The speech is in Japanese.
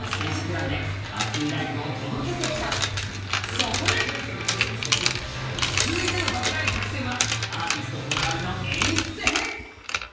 そこで続いての「バズライブ１００選」はアーティストこだわりの演出編。